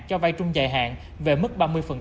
cho vai trung dài hạn về mức ba mươi